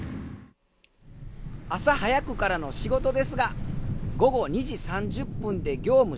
朝早くからの仕事ですが午後２時３０分で業務終了。